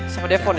sama depon ya